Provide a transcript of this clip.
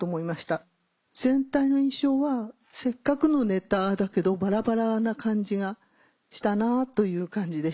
全体の印象はせっかくのネタだけどバラバラな感じがしたなという感じでした。